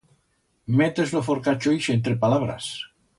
Metes lo forcacho ixe entre palabras.